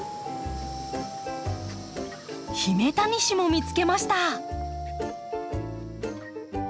ヒメタニシも見つけました。